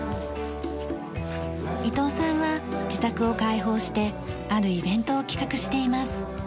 伊藤さんは自宅を開放してあるイベントを企画しています。